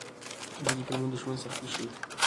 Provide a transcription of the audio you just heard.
ځینې فلمونه د ژوند سختۍ ښيي.